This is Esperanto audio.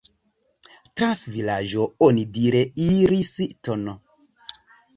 Trans vilaĝo onidire iris tn.